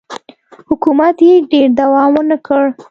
حکومت یې ډېر دوام ونه کړ